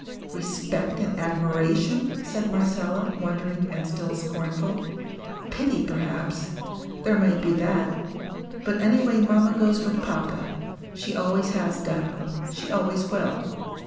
"Respect and admiration!" said Marcella, wondering, and still scornful. "Pity, perhaps. There might be that. But any way mamma goes with papa. She always has done. She always will.